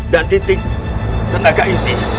dan titik tenaga ini